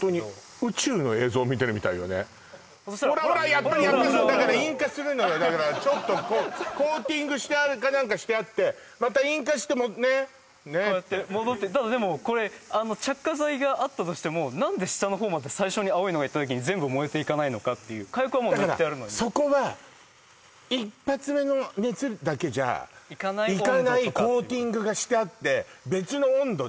やっぱりやってそうだから引火するのよだからちょっとコーティングしてあるかなんかしてあってまた引火してもうねっねっこうやって戻ってただでもこれ着火剤があったとしても何で下の方まで最初に青いのがいった時に全部燃えていかないのかっていう火薬はもうだからそこがいかない温度とかいや多分あっ企業秘密ね